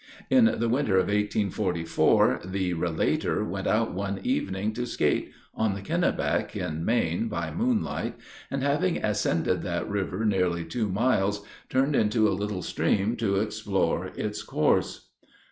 In the winter of 1844, the relater went out one evening to skate, on the Kennebec, in Maine, by moonlight, and, having ascended that river nearly two miles, turned into a little stream to explore its course.